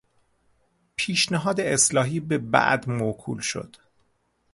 پیشنهاد اصلاحی به بعد موکول شد.